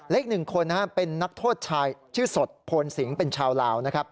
และอีก๑คนเป็นนักโทศชายชื่อสดโภนสิงเป็นชาวลาว